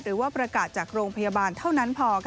หรือว่าประกาศจากโรงพยาบาลเท่านั้นพอ